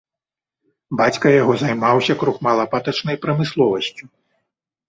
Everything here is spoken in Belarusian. Бацька яго займаўся крухмала-патачнай прамысловасцю.